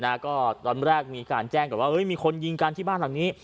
ก็ตอนแรกมีการแจ้งก่อนว่าเฮ้ยมีคนยิงกันที่บ้านหลังนี้